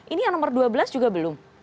ini yang nomor dua belas juga belum